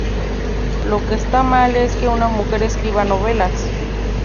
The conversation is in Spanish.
Lo que está mal es que una mujer escriba novelas".